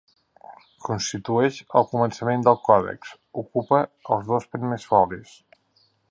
Constitueix el començament del còdex, ocupa els dos primers folis.